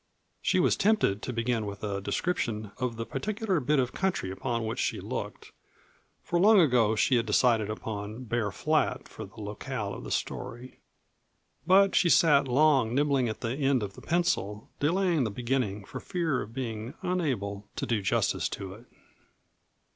She was tempted to begin with a description of the particular bit of country upon which she looked, for long ago she had decided upon Bear Flat for the locale of the story. But she sat long nibbling at the end of the pencil, delaying the beginning for fear of being unable to do justice to it.